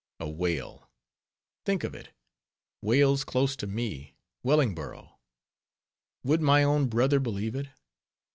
_ A whale! Think of it! whales close to me, Wellingborough;— would my own brother believe it?